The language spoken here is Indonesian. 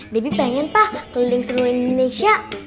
debbie pengen pak keliling seluruh indonesia